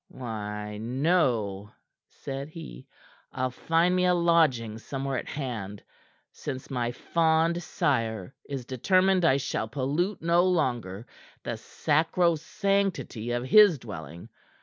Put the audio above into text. "Why, no," said he. "I'll find me a lodging somewhere at hand, since my fond sire is determined I shall pollute no longer the sacrosanctity of his dwelling.